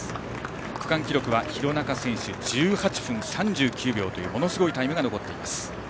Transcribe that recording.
区間記録は廣中選手の１８分３９秒というものすごいタイムが残っています。